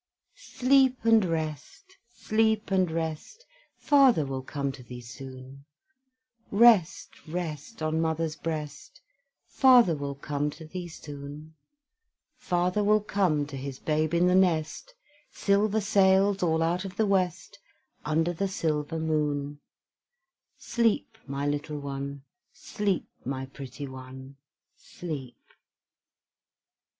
Sleep and rest, sleep and rest, Father will come to thee soon; Rest, rest, on mother's breast, Father will come to thee soon; Father will come to his babe in the nest, Silver sails all out of the west Under the silver moon: Sleep, my little one, sleep, my pretty one, sleep.